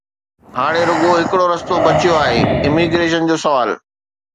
ھاڻي رڳو ھڪڙو رستو بچيو آھي: اميگريشن جو سوال